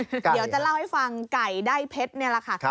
เดี๋ยวจะเล่าให้ฟังไก่ได้เพชรนี่แหละค่ะ